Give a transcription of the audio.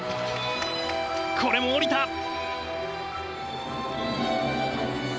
これも降りた！